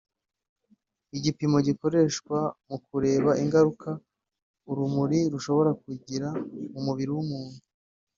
igipimo gikoreshwa mu kureba ingaruka urumuri rushobora kugira ku mubiri w’umuntu